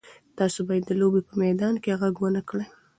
تاسي باید د لوبې په میدان کې غږ ونه کړئ.